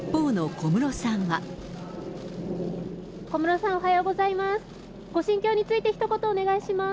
小室さん、おはようございます。